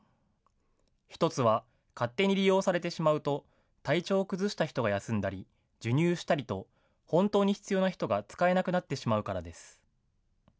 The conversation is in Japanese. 一つは勝手に利用されてしまうと、体調を崩した人が休んだり、授乳したりと、本当に必要な人が使えなくなってしまうからです。